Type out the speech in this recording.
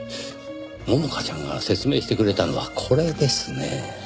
百花ちゃんが説明してくれたのはこれですね。